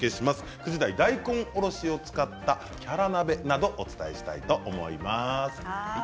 ９時台は大根おろしを使ったキャラ鍋などお伝えしたいと思います。